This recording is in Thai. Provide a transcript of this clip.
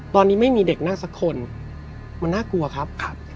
ตอนนี้ไม่มีเด็กนั่งสักคนมันน่ากลัวครับ